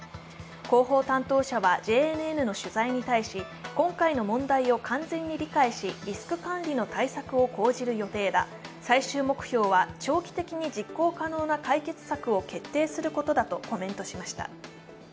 広報担当者はＪＮＮの取材に対し今回の問題を完全に理解しリスク管理の対策を講じる予定だ最終目標は長期的に実行可能な解決策を決定することだとコメントしました。